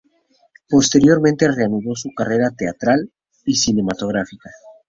Posteriormente reanudó su carrera teatral y cinematográfica.